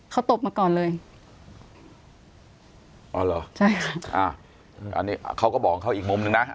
เขาตบมาก่อนเลยอ๋อเหรอใช่ค่ะอ่าอันนี้เขาก็บอกเขาอีกมุมหนึ่งนะ